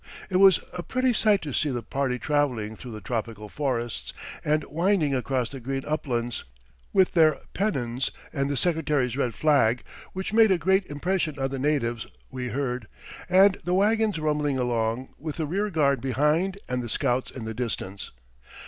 It was a pretty sight to see the party traveling through the tropical forests and winding across the green uplands, with their pennons and the Secretary's red flag (which made a great impression on the natives, we heard), and the wagons rumbling along, with a rearguard behind and the scouts in the distance.